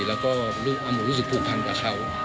แล้วก็หนูรู้สึกผูกพันกับเขา